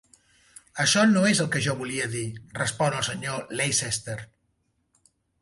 "Això no és el que jo volia dir", respon el senyor Leicester.